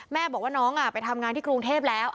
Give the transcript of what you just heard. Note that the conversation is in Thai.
บอกว่าน้องไปทำงานที่กรุงเทพแล้ว